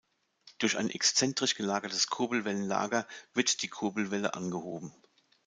Durch ein exzentrisch gelagertes Kurbelwellenlager wird die Kurbelwelle angehoben.